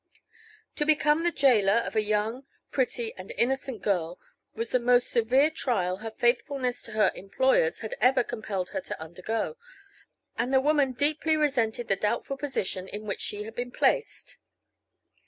To become the jailer of a young, pretty and innocent girl was the most severe trial her faithfulness to her employers had ever compelled her to undergo, and the woman deeply resented the doubtful position in which she had been placed.